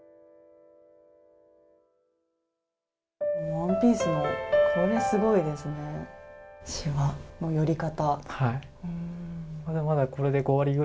ワンピースの、これ、すごいですねしわの寄り方。